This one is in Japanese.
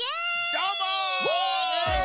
どーも！